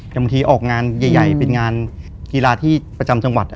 แต่บางทีออกงานใหญ่เป็นงานกีฬาที่ประจำจังหวัด